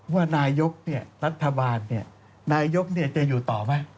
ว่านายกรัฐบาลนายกจะอยู่ต่อไหม